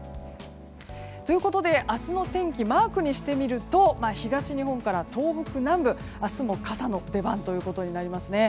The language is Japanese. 明日の天気をマークにしてみると東日本から東北南部明日も傘の出番となりますね。